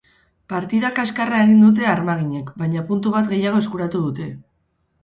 Partida kaskarra egin dute armaginek, baina puntu bat gehiago eskuratu dute.